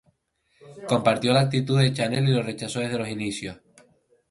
Compartió la actitud de Chanel y lo rechazó desde los inicios.